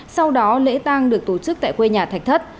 sau đó lễ tang được tổ chức tại quê nhà thạch thất